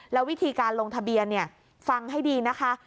แล้ววิธีการลงทะเบียนฟังให้ดีนะคะ